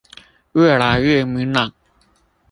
越來越明朗